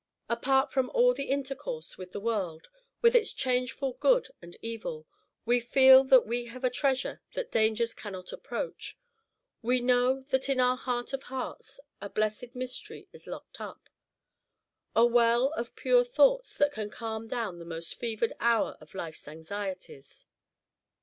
Apart from all the intercourse with the world, with its changeful good and evil, we feel that we have a treasure that dangers cannot approach; we know that in our heart of hearts a blessed mystery is locked up, a well of pure thoughts that can calm down the most fevered hour of life's anxieties.